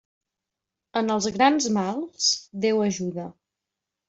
En els grans mals, Déu ajuda.